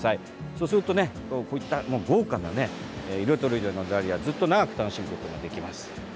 そうするとね、こういった豪華な色とりどりのダリアをずっと長く楽しむことができます。